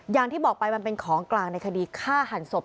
อย่างที่บอกไปมันเป็นของกลางในคดีฆ่าหันศพ